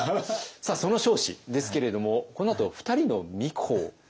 さあその彰子ですけれどもこのあと２人の皇子を産みます。